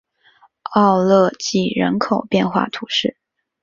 奥勒济人口变化图示